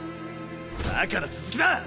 だから続きだ！